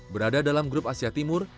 berada dalam grup asia timur